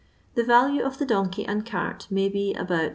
The value of the ind cart may be about 2